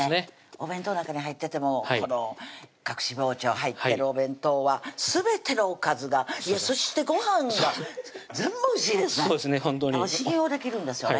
お弁当なんかに入っててもこの隠し包丁入ってるお弁当はすべてのおかずがそしてごはんが全部おいしいですね信用できるんですよね